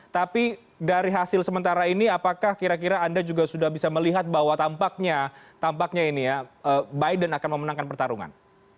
tapi dari hasil sementara ini apakah kira kira anda juga sudah bisa melihat bahwa tampaknya tampaknya ini ya biden akan memenangkan pertarungan